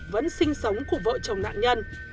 vẫn sinh sống của vợ chồng nạn nhân